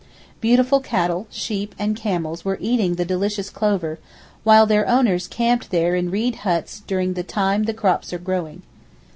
Beautiful cattle, sheep and camels were eating the delicious clover, while their owners camped there in reed huts during the time the crops are growing.